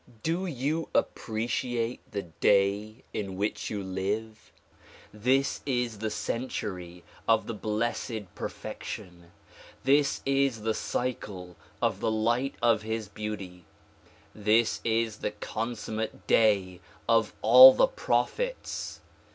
Do you appre ciate the Day in which you live ? This is the century of the Blessed Perfection ! This is the cycle of the light of his beauty ! This is the consummate day of all the prophets